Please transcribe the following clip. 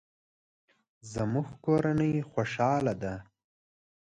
زموږ کورنۍ خوشحاله ده